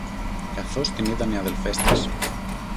Καθώς την είδαν οι αδελφές της